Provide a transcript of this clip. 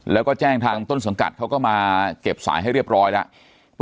แล้วก็แจ้งทางต้นสังกัดเขาก็มาเก็บสายให้เรียบร้อยแล้ว